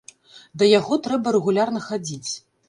Да яго трэба рэгулярна хадзіць.